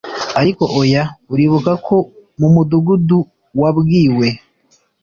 ariko oya uribuka ko mumudugudu wabwiwe